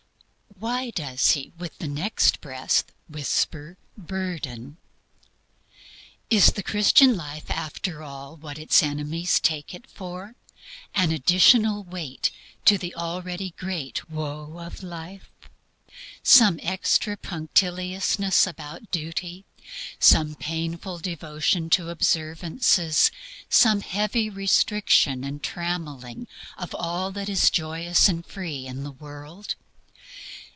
Why, while professing to give Rest, does He with the next breath whisper "burden"? Is the Christian life, after all, what its enemies take it for an additional weight to the already great woe of life, some extra punctiliousness about duty, some painful devotion to observances, some heavy restriction and trammeling of all that is joyous and free in the world?